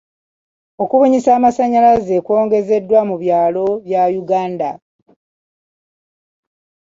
Okubunyisa amasannyalaze kwongezeddwa mu byalo bya Uganda.